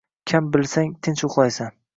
kam bilsang, tinch uxlaysan.